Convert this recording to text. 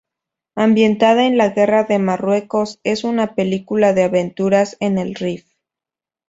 Ambientada en la Guerra de Marruecos, es una película de aventuras en el Rif.